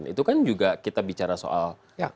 itu kan juga kita bicara soal